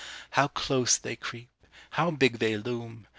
How close they creep! How big they loom!